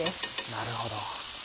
なるほど。